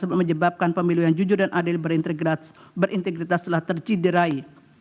untuk menyebabkan pemilu yang jujur dan adil berintegritas telah terciderai